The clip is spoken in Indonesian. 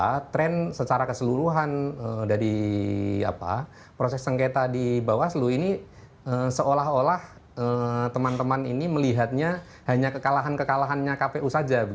karena tren secara keseluruhan dari proses sengketa di bawaslu ini seolah olah teman teman ini melihatnya hanya kekalahan kekalahannya kpu saja